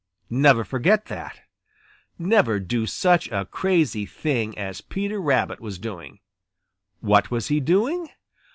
Never forget that. Never do such a crazy thing as Peter Rabbit was doing. What was he doing?